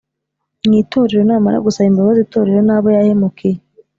mu itorero namara gusaba imbabazi itorero n'abo yahemukiye